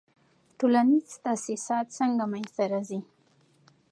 ټولنیز تاسیسات څنګه منځ ته راځي؟